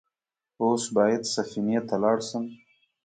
اوس بايد سفينې ته لاړ شم.